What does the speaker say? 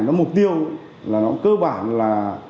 nó mục tiêu là nó cơ bản là